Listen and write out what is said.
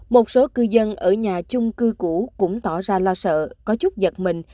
một số cư dân ở nhà chung cư cũ cũng tỏ ra lo sợ có chút giật mình